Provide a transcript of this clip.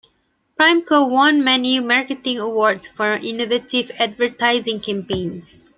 PrimeCo won many marketing awards for innovative advertising campaigns.